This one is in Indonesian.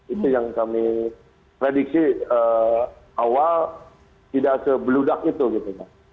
itu yang kami prediksi awal tidak se blueduck itu gitu mbak